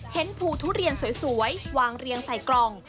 ภูทุเรียนสวยวางเรียงใส่กล่อง